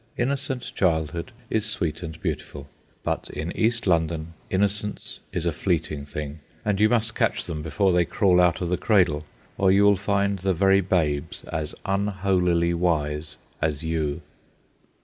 Innocent childhood is sweet and beautiful: but in East London innocence is a fleeting thing, and you must catch them before they crawl out of the cradle, or you will find the very babes as unholily wise as you.